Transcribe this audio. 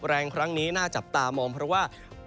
แรงครั้งนี้น่าจับตามองเพราะว่า